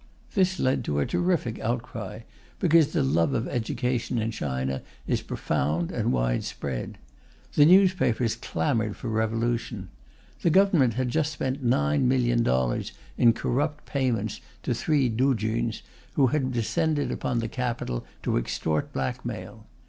This led to a terrific outcry, because the love of education in China is profound and widespread. The newspapers clamoured for revolution. The Government had just spent nine million dollars in corrupt payments to three Tuchuns who had descended upon the capital to extort blackmail.